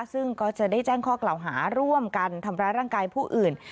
ซึ่งก็จะได้แจ้งข้อกล่าวหาร่วมกันทำร้ายร่างกายผู้อื่น